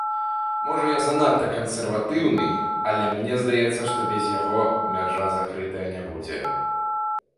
Можа, я занадта кансерватыўны, але мне здаецца, што без яго мяжа закрытая не будзе.